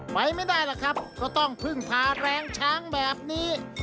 ไปไม่ได้หรอกครับก็ต้องพึ่งพาแรงช้างแบบนี้